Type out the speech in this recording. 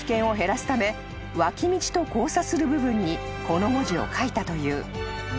［脇道と交差する部分にこの文字を書いたという］